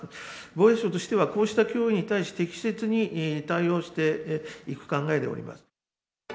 防衛省としては、こうした脅威に対し、適切に対応していく考えでおります。